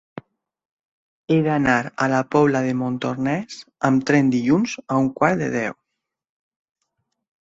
He d'anar a la Pobla de Montornès amb tren dilluns a un quart de deu.